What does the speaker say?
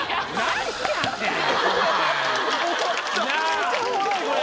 めっちゃおもろいこれ！